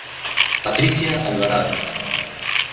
Patricia Alvarado.